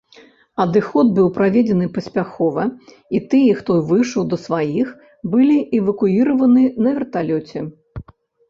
Адыход быў праведзены паспяхова і тыя, хто выйшаў да сваіх былі эвакуіраваны на верталёце.